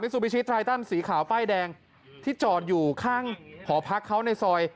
ซูบิชิไทตันสีขาวป้ายแดงที่จอดอยู่ข้างหอพักเขาในซอย